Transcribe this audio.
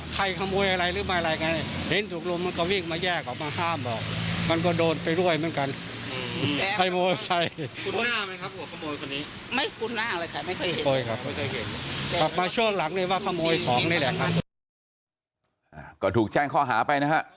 ก็ถูกแจ้งข้อหาไปนะฮะ